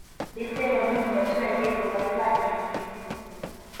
ndetse bamwe mu baturage ngo bari batangiye no guhunga